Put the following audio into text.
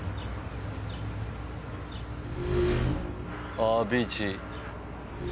あビーチ。